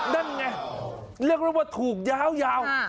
นั่นไงเรียกเรียกว่าถูกยาวยาว